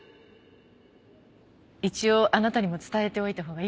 一応あなたにも伝えておいたほうがいいと思って。